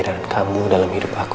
terhadap kamu dalam hidup aku